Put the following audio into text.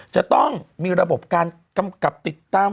จะต้องมีระบบการกำกับติดตาม